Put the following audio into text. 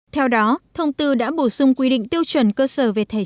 theo đó thông tư đã bổ sung quy định tiêu chuẩn cơ sở về thẻ trị